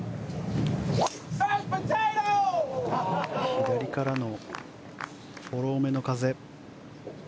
左からのフォローめの風。